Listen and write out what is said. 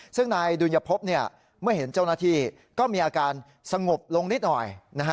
ซึ่งนายดุญพบเมื่อเห็นเจ้าหน้าที่ก็มีอาการสงบลงนิดหน่อย